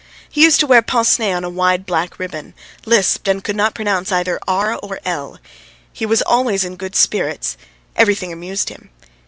He used to wear pince nez on a wide black ribbon, lisped, and could not pronounce either r or l. He was always in good spirits, everything amused him.